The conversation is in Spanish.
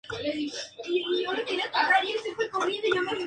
Ha conducido programas culturales en radio y televisión.